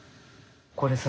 これさ